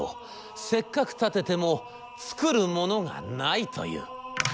せっかく建てても作るものがないという。